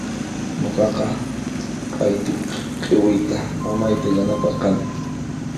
Nuqaqa q'aytu khiwiyta mamayta yanaparqani.